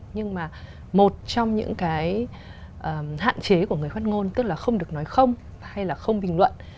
nhưng mà một trong những cái hạn chế của người phát ngôn tức là không được nói không hay là không bình luận